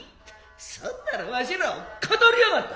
そんならわしらをかたりやがったナ。